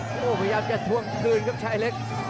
โหพยายามจะถวงคนคืนครับชายเล็ก